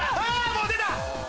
もう出た！